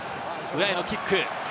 裏へのキック。